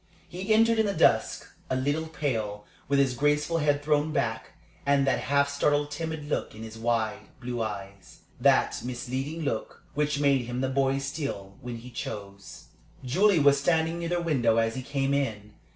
He entered in the dusk; a little pale, with his graceful head thrown back, and that half startled, timid look in his wide, blue eyes that misleading look which made him the boy still, when he chose. Julie was standing near the window as he came in.